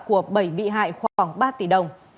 của bảy bị hại khoảng ba tỷ đồng